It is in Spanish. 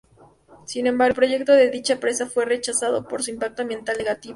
Sin embargo, el proyecto de dicha presa fue rechazado por su impacto ambiental negativo.